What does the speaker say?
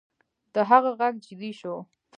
د هغه غږ جدي شو